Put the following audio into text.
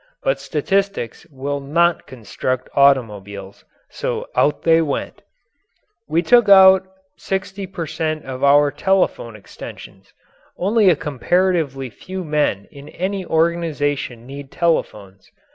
But statistics will not construct automobiles so out they went. We took out 60 per cent. of our telephone extensions. Only a comparatively few men in any organization need telephones.